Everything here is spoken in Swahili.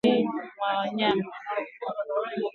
Kukosa kuangamiza viroboto mwilini mwa wanyama